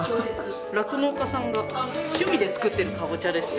酪農家さんが趣味で作ってるカボチャですね。